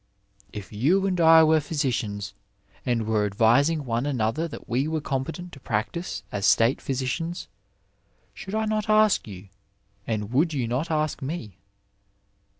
"If you and I were physicians, and were advising one another that we were competent to practise as state physi cians, should I not ask you, and would you not ask me.